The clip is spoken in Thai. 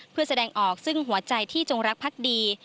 เพื่อแสดงออกซึ่งหัวใจที่จงรักพักดี